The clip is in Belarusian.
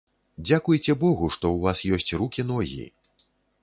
Дзякуйце богу, што ў вас ёсць рукі ногі.